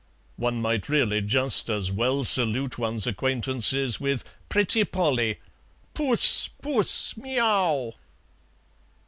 One might really just as well salute one's acquaintances with "Pretty polly. Puss, puss, miaow!"